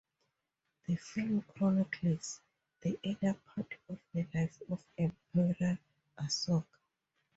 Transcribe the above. The film chronicles the early part of the life of Emperor Asoka.